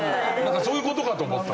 そういう事かと思った。